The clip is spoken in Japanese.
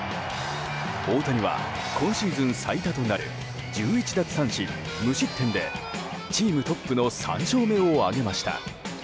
大谷は今シーズン最多となる１１奪三振、無失点でチームトップの３勝目を挙げました。